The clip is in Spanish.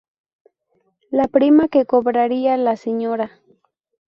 La prima que cobraría la sra.